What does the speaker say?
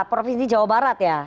provinsi jawa barat ya